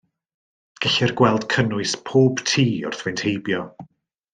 Gellir gweld cynnwys pob tŷ wrth fynd heibio.